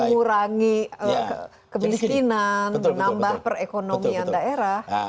mengurangi kemiskinan menambah perekonomian daerah